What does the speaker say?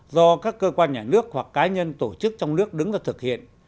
do các cơ quan nhà nước hoặc cá nhân tổ chức trong nước đứng ra thực hiện